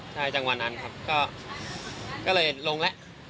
จากวันนั้นครับก็เลยลงแล้ว